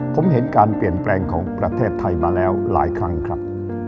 ผมเห็นการเปลี่ยนแปลงของประเทศไทยมาแล้วหลายครั้งครับ